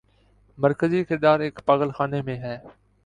مرکزی کردار ایک پاگل خانے میں ہے۔